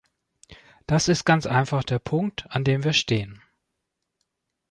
Das ist ganz einfach der Punkt, an dem wir stehen.